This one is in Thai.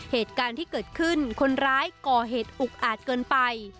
เหตุการณ์ที่เกิดขึ้นคนร้ายก่อเหตุอุกอาจเกินไป